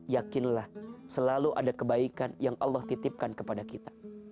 yakinlah selalu ada kebaikan yang allah titipkan kepada kita